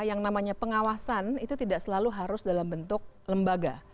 yang namanya pengawasan itu tidak selalu harus dalam bentuk lembaga